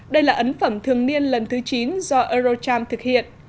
đây là ấn phẩm thường niên lần thứ chín do eurocharm thực hiện